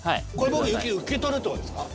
僕雪受け取るってことですか？